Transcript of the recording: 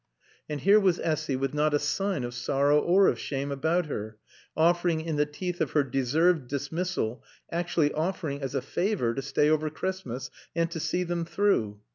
And here was Essy with not a sign of sorrow or of shame about her, offering (in the teeth of her deserved dismissal), actually offering as a favor to stay over Christmas and to see them through.